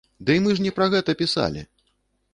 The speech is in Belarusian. Дый мы ж не пра гэта пісалі!